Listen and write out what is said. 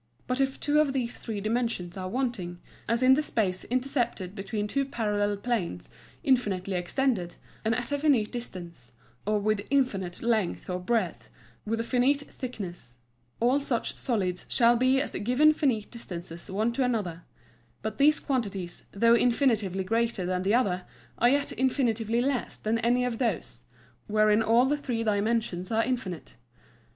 But if two of these three Dimensions are wanting, as in the Space intercepted between two parallel Planes infinitely extended, and at a finite distance; or with infinite Length and Breadth, with a finite Thickness; All such Solids shall be as the given finite distances one to another: But these Quantities, though infinitely greater than the other, are yet infinitely less than any of those, wherein all the three Dimensions are infinite.